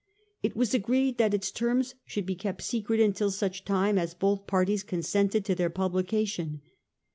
It was agreed that its terms should be kept secret until such time as both parties consented to their publication.